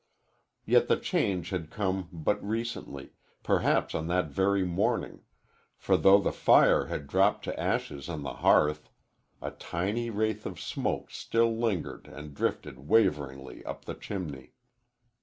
Yet the change had come but recently perhaps on that very morning for though the fire had dropped to ashes on the hearth, a tiny wraith of smoke still lingered and drifted waveringly up the chimney.